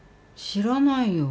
知らないよ。